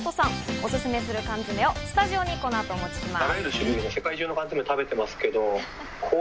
お勧めする缶詰をスタジオにこの後、お持ちします。